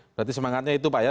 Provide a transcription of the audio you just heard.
berarti semangatnya itu pak ya